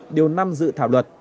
điều năm dự thảo luật